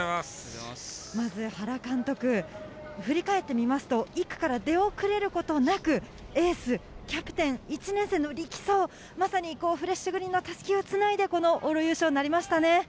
原監督、振り返ってみると１区から出遅れることなくエース、キャプテン、１年生の力走、フレッシュグリーンの襷をつないで往路優勝になりましたね。